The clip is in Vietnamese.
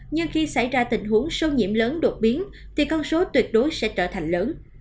nhưng khi xảy ra tình huống sâu nhiễm lớn đột biến thì con số tuyệt đối sẽ trở thành lớn